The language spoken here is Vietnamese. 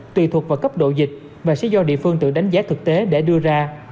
tùy thuộc vào cấp độ dịch và sẽ do địa phương tự đánh giá thực tế để đưa ra